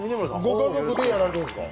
ご家族でやられてるんですか？